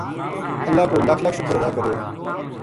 اللہ کو لکھ لکھ شکر ادا کریو